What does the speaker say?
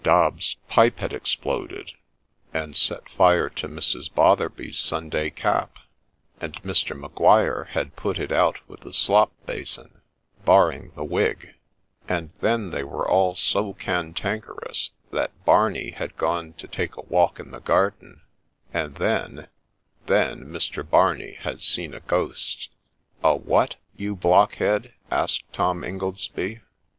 Dobbs's pipe had exploded, and set fire to Mrs. Botherby's Sunday cap ; and Mr. Maguire had put it out with the slop basin, ' barring the wig ;' and then they were all so ' cantankerous,' that Barney had gone to take a walk in the garden ; and then — then Mr. Barney had seen a ghost !' A what ? you blockhead !' asked Tom Ingoldsby.